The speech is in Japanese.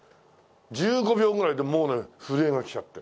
１５秒ぐらいでもうね震えがきちゃって。